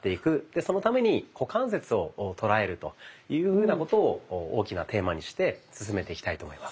そのために股関節を捉えるというふうなことを大きなテーマにして進めていきたいと思います。